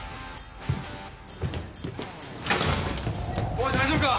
おい大丈夫か？